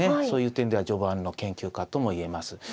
そういう点では序盤の研究家とも言えます。